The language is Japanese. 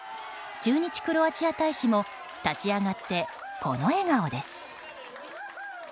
駐日クロアチア大使も立ち上がってこの笑顔です。